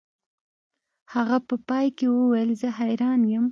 هغه په پای کې وویل زه حیران یم